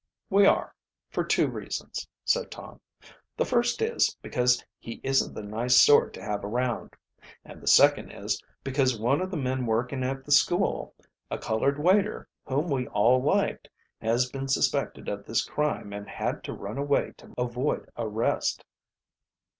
"We are, for two reasons," said Tom. "The first is, because he isn't the nice sort to have around, and the second is, because one of the men working at the school, a colored waiter, whom we all liked, has been suspected of this crime and had to run away to avoid arrest."